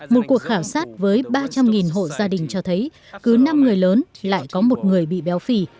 một cuộc khảo sát với ba trăm linh hộ gia đình cho thấy cứ năm người lớn lại có một người bị béo phì